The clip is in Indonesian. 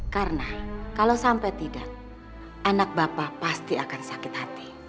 karena kalau sampai tidak anak bapak pasti akan sakit hati